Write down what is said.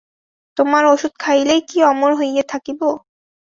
তোমার ওষুধ খাইলেই কি অমর হইয়া থাকিব।